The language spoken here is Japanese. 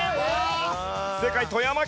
正解富山県。